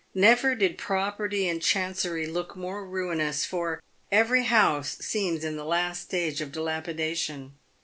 Never did property in Chancery look more ruinous, for every house seems in the last stage of dilapidation.